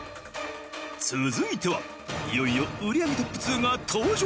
続いてはいよいよ売り上げトップ２が登場。